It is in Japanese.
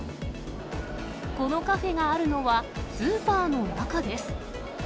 このカフェがあるのは、スーパーの中です。